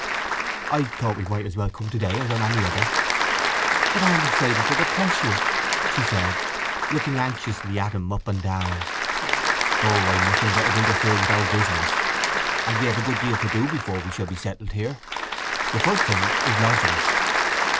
"I thought we might as well come to day as on any other." "But I am afraid it will depress you!" she said, looking anxiously at him up and down. "Oh, I mustn't let it interfere with our business; and we have a good deal to do before we shall be settled here. The first thing is lodgings."